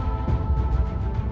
keturunan dari gusti prabu kertajaya